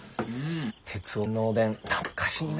鉄男君のおでん懐かしいな。